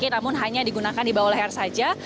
namun hanya digunakan di bawah leher saja